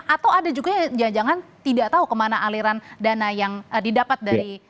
atau ada juga yang jangan jangan tidak tahu kemana aliran dana yang didapat dari